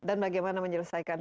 dan bagaimana menyelesaikan